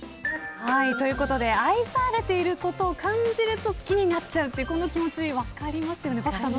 愛されていることを感じると好きになっちゃうというこの気持ち分かりますよね。